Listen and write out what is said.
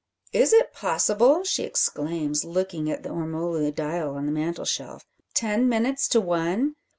Is it possible?" she exclaims, looking at the ormolu dial on the mantelshelf. "Ten minutes to one!